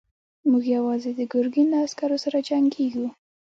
موږ يواځې د ګرګين له عسکرو سره جنګېږو.